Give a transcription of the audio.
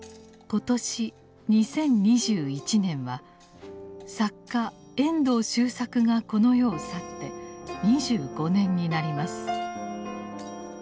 今年２０２１年は作家・遠藤周作がこの世を去って２５年になります。